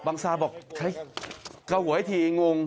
ซาบอกใช้กระหวยทีงง